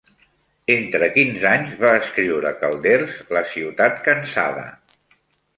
Entre quins anys va escriure Calders La ciutat cansada?